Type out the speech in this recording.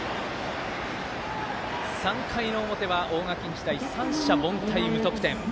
３回の表は大垣日大三者凡退、無得点。